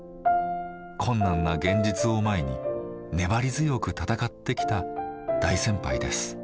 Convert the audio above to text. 困難な現実を前に粘り強く闘ってきた大先輩です。